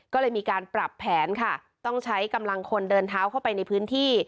ก็เลยมีการปรับแผนค่ะต้องใช้กำลังคนเดินเท้าเข้าไปในพื้นที่